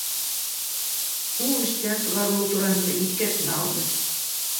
Ул эштән сығарылыу тураһында иҫкәртмә алды